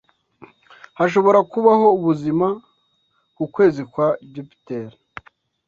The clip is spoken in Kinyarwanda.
Hashobora kubaho ubuzima ku kwezi kwa Jupiter.